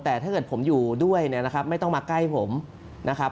แต่ถ้าเกิดผมอยู่ด้วยเนี่ยนะครับไม่ต้องมาใกล้ผมนะครับ